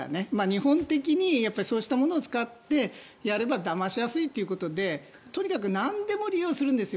日本的にそうしたものを使ってやればだましやすいということでとにかくなんでも利用するんです。